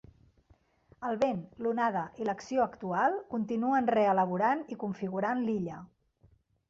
El vent, l'onada i l'acció actual continuen reelaborant i configurant l'illa.